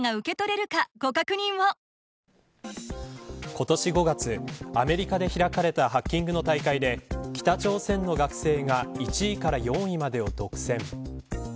今年５月、アメリカで開かれたハッキングの大会で北朝鮮の学生が１位から４位までを独占。